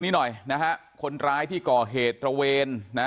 นี้หน่อยนะฮะคนร้ายที่ก่อเหตุตระเวนนะ